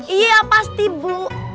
iya pasti bu